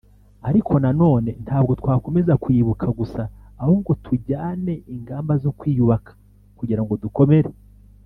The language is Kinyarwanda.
ariko nanone ntabwo twakomeza kwibuka gusa ahubwo tujyane ingamba zo kwiyubaka kugira ngo dukomere